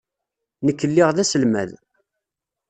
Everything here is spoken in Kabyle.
Nekk lliɣ d aselmad.